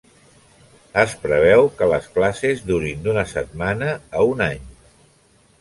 Es preveu que les classes durin d'una setmana a un any.